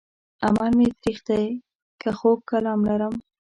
عمل مې تريخ دی که خوږ کلام لرم